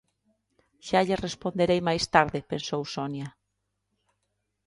'Xa lle responderei máis tarde' pensou Sonia.